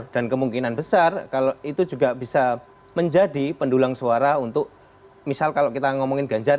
dan kemungkinan besar kalau itu juga bisa menjadi pendulang suara untuk misal kalau kita ngomongin ganjar